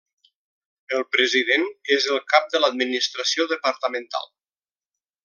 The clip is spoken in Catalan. El president és el cap de l'administració departamental.